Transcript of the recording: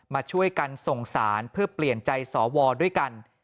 มาช่วยกันส่งสารเพื่อเปลี่ยนใจสวด้วยกัน